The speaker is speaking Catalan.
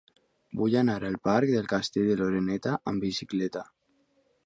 Vull anar al parc del Castell de l'Oreneta amb bicicleta.